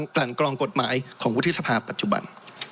กลั่นกรองกฎหมายของวุฒิสภาปัจจุบัน